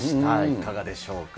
いかがでしょうか。